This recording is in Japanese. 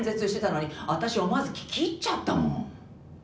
「私思わず聞き入っちゃったもん」